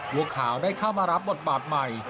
บัวขาวได้เข้ามารับบทบาทใหม่